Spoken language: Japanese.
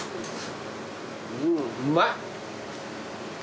うんうまい。